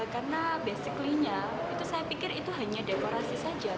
karena basicly nya saya pikir itu hanya dekorasi saja